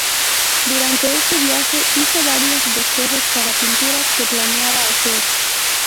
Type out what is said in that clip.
Durante este viaje, hizo varios bosquejos para pinturas que planeaba hacer.